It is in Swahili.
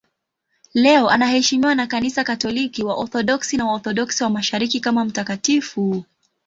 Leo anaheshimiwa na Kanisa Katoliki, Waorthodoksi na Waorthodoksi wa Mashariki kama mtakatifu.